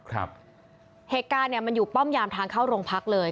เหตุการณ์เนี่ยมันอยู่ป้อมยามทางเข้าโรงพักเลย